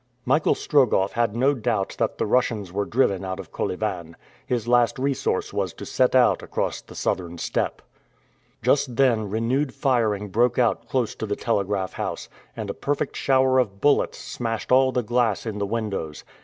Michael Strogoff had no doubt that the Russians were driven out of Kolyvan. His last resource was to set out across the southern steppe. Just then renewed firing broke out close to the telegraph house, and a perfect shower of bullets smashed all the glass in the windows.